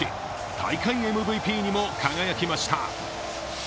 大会ＭＶＰにも輝きました。